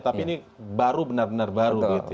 tapi ini baru benar benar baru begitu